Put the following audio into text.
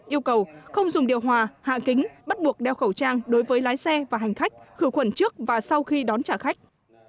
yêu cầu không dùng điều hòa hạ kính bắt buộc đeo khẩu trang đối với lái xe và hành khách khử khuẩn trước và sau khi đón trả khách